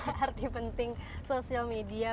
apa sih arti penting sosial media